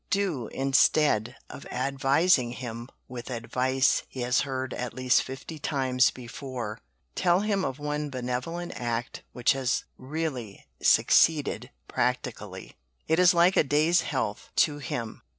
Do, instead of advising him with advice he has heard at least fifty times before, tell him of one benevolent act which has really succeeded practically it is like a day's health to him.